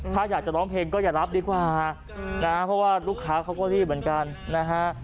ถ้าอยากจะร้องเพลงก็อย่ารับดีกว่านะเพราะว่าลูกค้าเขาก็รีบเหมือนกันนะฮะ